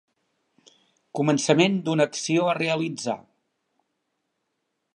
Començament d'una acció a realitzar.